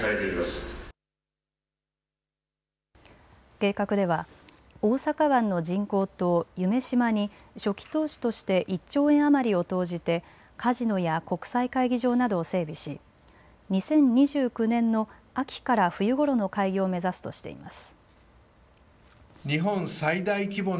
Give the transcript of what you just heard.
計画では大阪湾の人工島、夢洲に初期投資として１兆円余りを投じてカジノや国際会議場などを整備し２０２９年の秋から冬ごろの開業を目指すとしています。